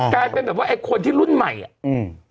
กลายเป็นแบบว่าไอ้คนที่รุ่นใหม่อ่ะอืม